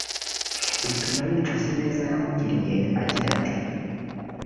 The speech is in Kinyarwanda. bituma yicuza ineza yamugiriye agira ati